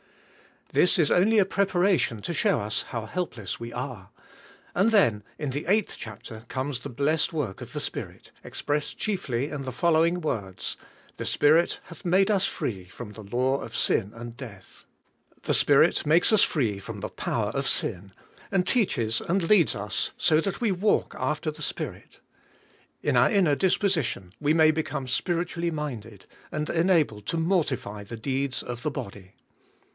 This is only a preparation to show us how helpless we are; and then in the eighth chapter comes the blessed work of the Spirit, expressed chiefly in the following words: "The Spirit hath made us free from the law of sin and death." The Spirit makes us free from the power of sin, and teaches and leads us lo that we walk after the Spirit. In our inner 156 THE SOURCE OE POWER LW ERAYhK ir,7 disposition we may become spiritually minded, and enabled to mortify the deeds of the body.